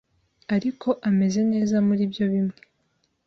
Ariko ameze neza muribyo bimwe